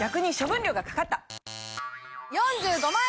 ４５万円⁉